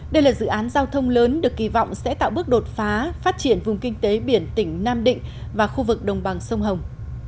đây là dự án giao thông lớn được kỳ vọng sẽ tạo bước đột phá phát triển vùng kinh tế biển tỉnh nam định và khu vực đồng bằng sông hồng